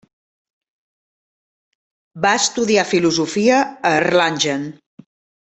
Va estudiar filosofia a Erlangen.